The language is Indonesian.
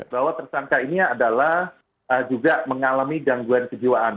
bahwa tersangka ini adalah juga mengalami gangguan kejiwaan